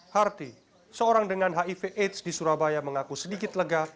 harti seorang dengan hiv aids di surabaya mengaku sedikit lega